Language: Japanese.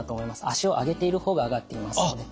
脚を上げている方が上がっていますので。